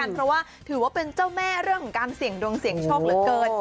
เพราะว่าถือว่าเป็นเจ้าแม่การเสียงดวงเสียงโชคเหลือเกิน